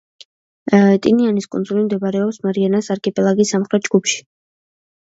ტინიანის კუნძული მდებარეობს მარიანას არქიპელაგის სამხრეთ ჯგუფში.